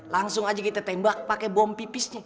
langsung aja kita tembak pake bom pipisnya